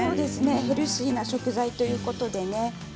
ヘルシーな食材ということでね